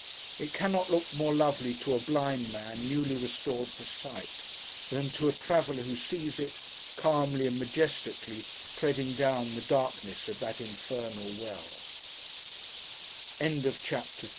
It cannot look more lovely to a blind man newly restored to sight, than to a traveller who sees it, calmly and majestically, treading down the darkness of that Infernal